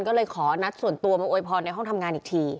ก็เลยขอนัดส่วนตัวมาอวยพรในห้องทำงานอีกที